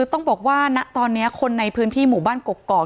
ต้องบอกว่าณตอนนี้คนในพื้นที่หมู่บ้านกกอก